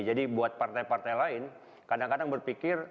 jadi buat partai partai lain kadang kadang berpikir